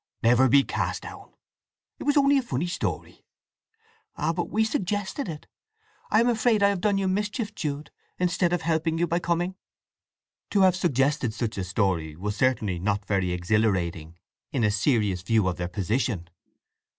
"Never be cast down! It was only a funny story." "Ah, but we suggested it! I am afraid I have done you mischief, Jude, instead of helping you by coming!" To have suggested such a story was certainly not very exhilarating, in a serious view of their position.